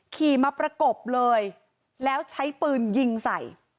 ขี่มาประกบเลยแล้วใช้ปืนยิงใส่